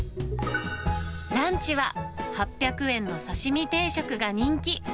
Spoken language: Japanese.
ランチは、８００円の刺身定食が人気。